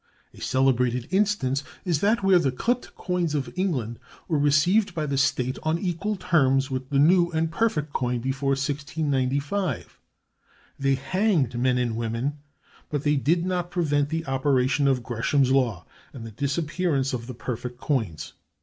A celebrated instance is that where the clipped coins of England were received by the state on equal terms with new and perfect coin before 1695. They hanged men and women, but they did not prevent the operation of Gresham's law and the disappearance of the perfect coins.